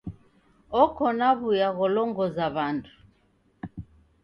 Oko na w'uya gholongoza w'andu.